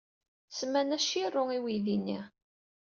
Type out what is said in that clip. Semmant-as Shiro i uydi-nni.